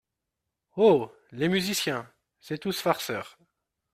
Oh ! les musiciens ! c’est tous farceurs !…